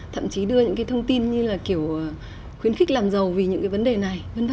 thậm chí đưa những cái thông tin như là kiểu khuyến khích làm giàu vì những cái vấn đề này v v